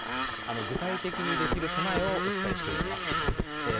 具体的にできる備えをお伝えしていきます。